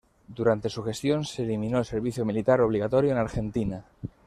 Durante su gestión se eliminó el servicio militar obligatorio en Argentina.